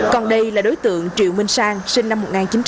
còn đây là đối tượng triệu minh sang sinh năm một nghìn chín trăm chín mươi bảy